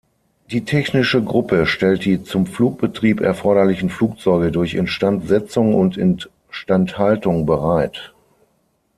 Die Technische Gruppe stellt die zum Flugbetrieb erforderlichen Flugzeuge durch Instandsetzung und Instandhaltung bereit.